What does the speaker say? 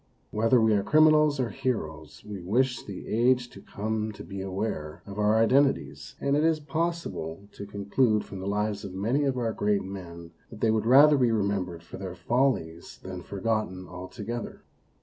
Whether we are criminals or heroes, we wish the age to come to be aware of our identities, and it is possible to con clude from the lives of many of our great men that they would rather be remembered for their follies than forgotten altogether.